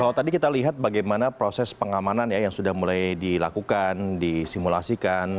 kalau tadi kita lihat bagaimana proses pengamanan ya yang sudah mulai dilakukan disimulasikan